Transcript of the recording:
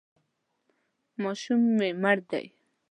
ماشوم مې مړ دی.